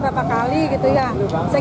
serua dari tunayan